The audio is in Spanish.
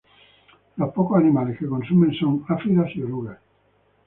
Los pocos animales que consume son áfidos y orugas.